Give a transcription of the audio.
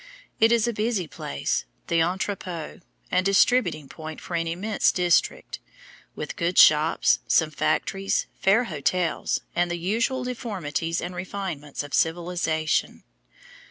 It is a busy place, the entrepot and distributing point for an immense district, with good shops, some factories, fair hotels, and the usual deformities and refinements of civilization.